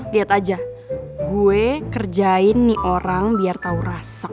cepet aja gue kerjain nih orang biar tau raseng